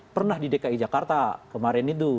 pernah di dki jakarta kemarin itu